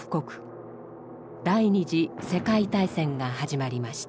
第二次世界大戦が始まりました。